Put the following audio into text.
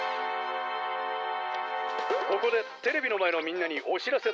「ここでテレビのまえのみんなにおしらせだ！